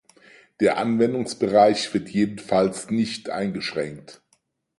Der Anwendungsbereich wird jedenfalls nicht eingeschränkt.